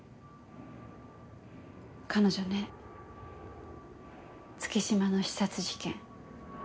彼女ね月島の刺殺事件